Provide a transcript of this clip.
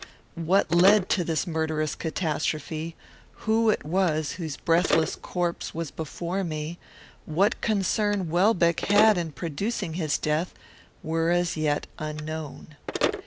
What led to this murderous catastrophe; who it was whose breathless corpse was before me; what concern Welbeck had in producing his death; were as yet unknown.